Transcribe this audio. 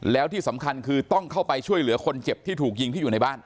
แล้วที่สำคัญคือต้องเข้าไปช่วยเหลือคนเจ็บที่ถูกยิงที่อยู่ในบ้าน